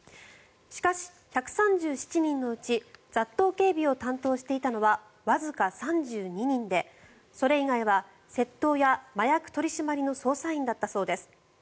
しかし、１３７人のうち雑踏警備を担当していたのはわずか３２人でそれ以外は窃盗や麻薬取り締まりの捜査員だったそうです。